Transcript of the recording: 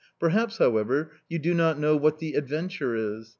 Perhaps, however, you do not know what the "Adventure" is?